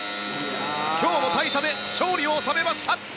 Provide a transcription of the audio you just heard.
今日も大差で勝利を収めました。